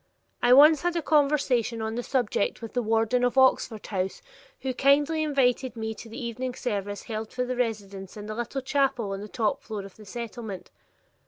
I once had a conversation on the subject with the warden of Oxford House, who kindly invited me to the evening service held for the residents in a little chapel on the top floor of the Settlement.